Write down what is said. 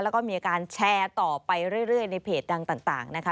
แล้วก็มีการแชร์ต่อไปเรื่อยในเพจดังต่างนะคะ